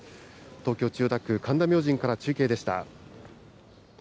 東京・千代田区、神田明神から中継でした。